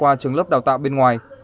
họ không có trường lớp đào tạo bên ngoài